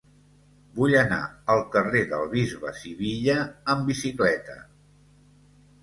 Vull anar al carrer del Bisbe Sivilla amb bicicleta.